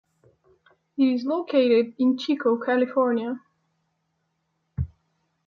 It is located in Chico, California.